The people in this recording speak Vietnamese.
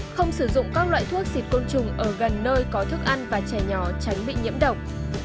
không sử dụng các loại thuốc xịt côn trùng ở gần nơi có thức ăn và trẻ nhỏ tránh bị nhiễm độc